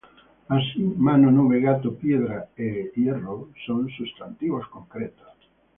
Así, "mano", "nube", "gato", "piedra" y "hierro" son sustantivos concretos.